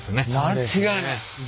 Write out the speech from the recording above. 間違いない。